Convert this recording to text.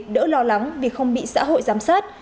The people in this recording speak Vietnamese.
đỡ lo lắng vì không bị xã hội giám sát